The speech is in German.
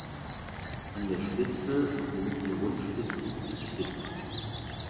An der Spitze sind sie rundspitzig bis spitz.